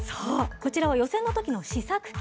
こちらは予選のときの試作機。